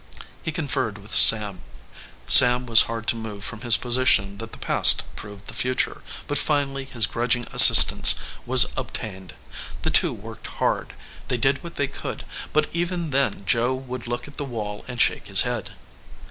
He conferred with Sam. Sam was hard to move from his position that the past proved the future, but finally his grudging assistance was obtained. The two worked hard. They did what they could, but even then Joe would look at the wall and shake his head.